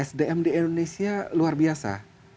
sdm di indonesia luar biasa